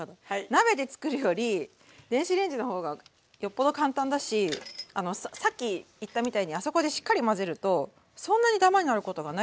鍋で作るより電子レンジの方がよっぽど簡単だしさっき言ったみたいにあそこでしっかり混ぜるとそんなにダマになることがないんですよ